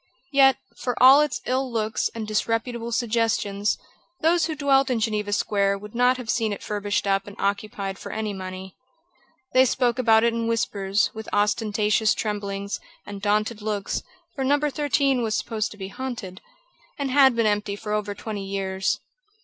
Yet, for all its ill looks and disreputable suggestions, those who dwelt in Geneva Square would not have seen it furbished up and occupied for any money. They spoke about it in whispers, with ostentatious tremblings, and daunted looks, for No. 13 was supposed to be haunted, and had been empty for over twenty years.